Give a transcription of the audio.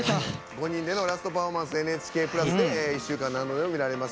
５人でのラストパフォーマンス「ＮＨＫプラス」で１週間何度でも見られます